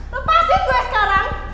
lepasin gue sekarang